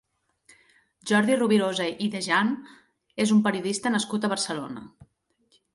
Jordi Robirosa i Dejean és un periodista nascut a Barcelona.